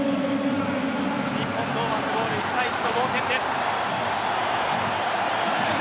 日本堂安のゴールで１対１で同点です。